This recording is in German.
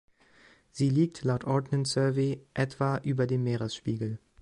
Sie liegt laut Ordnance Survey etwa über dem Meeresspiegel.